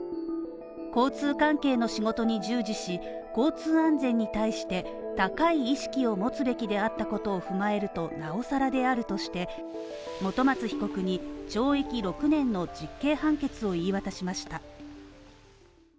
交通関係の仕事に従事し、交通安全に対して高い意識を持つべきであったことを踏まえると、なおさらであるとして本松被告に懲役６年の実刑判決を言い渡しました。